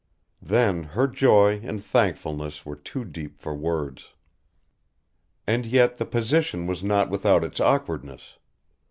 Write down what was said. Then her joy and thankfulness were too deep for words. And yet the position was not without its awkwardness.